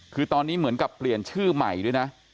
คือตอนนี้เหมือนกับเปลี่ยนชื่อใหม่ด้วยนะ